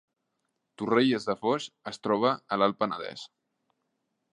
Torrelles de Foix es troba a l’Alt Penedès